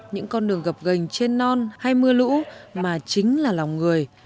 những con đường gập gành trên non hay mưa lũ mà chính là lòng người